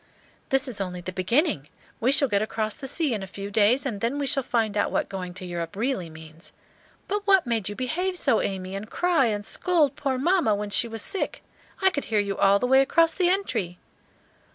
"This is only the beginning; we shall get across the sea in a few days, and then we shall find out what going to Europe really means. But what made you behave so, Amy, and cry and scold poor mamma when she was sick? I could hear you all the way across the entry."